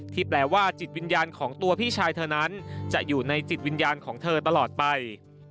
แปลว่าจิตวิญญาณของตัวพี่ชายเธอนั้นจะอยู่ในจิตวิญญาณของเธอตลอดไป